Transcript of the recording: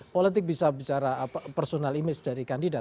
politik bisa bicara personal image dari kandidat